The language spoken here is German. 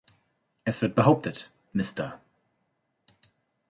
Es wird behauptet, "Mr.